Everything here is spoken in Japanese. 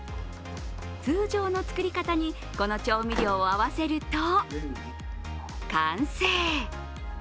通常の作り方にこの調味料を合わせると完成。